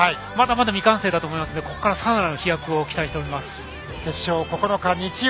まだまだ未完成だと思いますがここから更なる飛躍を期待します。